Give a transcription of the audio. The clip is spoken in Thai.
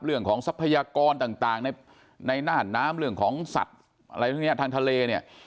ทรัพยากรต่างในน่านน้ำเรื่องของสัตว์อะไรพวกนี้ทางทะเลเนี่ย